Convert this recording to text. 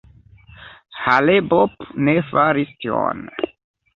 Hale-Bopp ne faris tion.